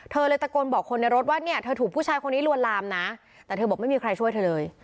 เลยตะโกนบอกคนในรถว่าเนี่ยเธอถูกผู้ชายคนนี้ลวนลามนะแต่เธอบอกไม่มีใครช่วยเธอเลย